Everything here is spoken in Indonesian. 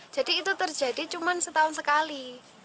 itu terjadi cuma setahun sekali